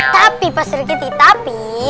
tapi pak serikiti tapi